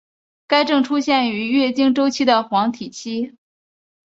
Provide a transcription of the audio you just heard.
该症出现于月经周期的黄体期。